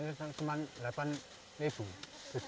lebih menguntungkan yang mana pak